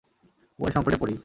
উভয় সংকটে পড়ি।